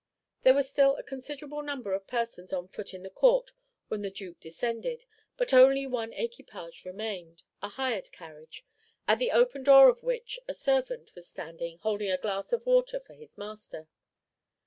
There were still a considerable number of persons on foot in the court when the Duke descended, but only one equipage remained, a hired carriage, at the open door of which a servant was standing, holding a glass of water for his master.